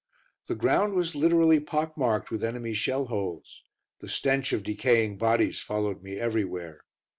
The ground was literally pock marked with enemy shell holes. The stench of decaying bodies followed me everywhere.